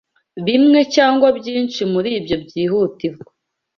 bimwe cyangwa byinshi muribyo byihutirwa